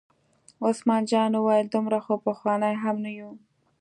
عثمان جان وویل: دومره خو پخواني هم نه یو.